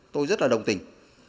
tôi rất là đồng tình